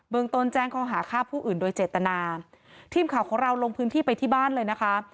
ตนแจ้งข้อหาฆ่าผู้อื่นโดยเจตนาทีมข่าวของเราลงพื้นที่ไปที่บ้านเลยนะคะ